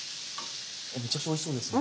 めちゃくちゃおいしそうですね。